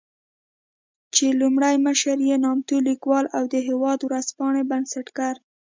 چې لومړی مشر يې نامتو ليکوال او د "هېواد" ورځپاڼې بنسټګر